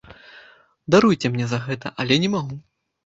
Даруйце мне за гэта, але не магу.